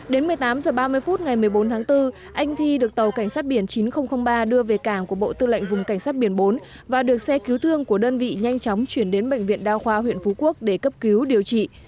đến một mươi tám h ba mươi phút ngày một mươi bốn tháng bốn anh thi được tàu cảnh sát biển chín nghìn ba đưa về cảng của bộ tư lệnh vùng cảnh sát biển bốn và được xe cứu thương của đơn vị nhanh chóng chuyển đến bệnh viện đa khoa huyện phú quốc để cấp cứu điều trị